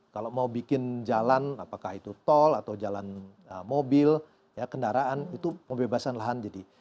kalau mau bikin jalan apakah itu tol atau jalan mobil kendaraan itu pembebasan lahan jadi